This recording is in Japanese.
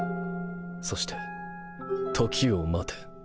そして時を待て